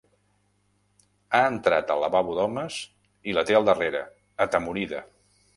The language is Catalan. Ha entrat al lavabo d'homes i la té al darrere, atemorida.